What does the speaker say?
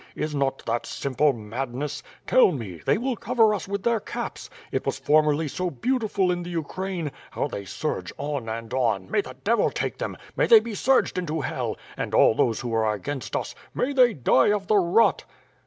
Is not that simple madness. Tell me. They will cover us with their caps. It was formerly so beautiful in the Ukraine! How they surge on and ofi. May the devil take them. May they be surged into hell! And all those who are against us. May they die of the rot."